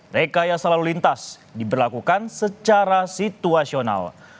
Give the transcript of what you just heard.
rekayasa lalu lintas diberlakukan secara situasional